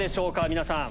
皆さん。